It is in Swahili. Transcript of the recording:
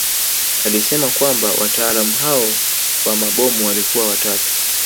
Alisema kwamba wataalamu hao wa mabomu walikuwa watatu